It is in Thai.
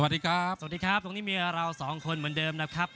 สวัสดีครับสวัสดีครับตรงนี้มีเราสองคนเหมือนเดิมนะครับ